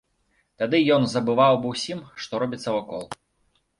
Тады ён забываў аб усім, што робіцца вакол.